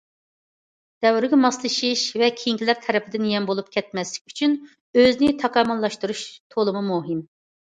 دەۋرگە ماسلىشىش ۋە كېيىنكىلەر تەرىپىدىن يەم بولۇپ كەتمەسلىك ئۈچۈن، ئۆزنى تاكامۇللاشتۇرۇش تولىمۇ مۇھىم.